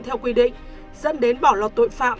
theo quy định dẫn đến bỏ lọt tội phạm